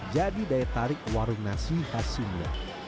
jadi daya tarik warung nasi khas sunda